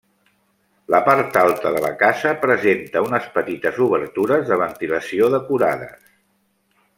La part alta de la casa presenta unes petites obertures de ventilació decorades.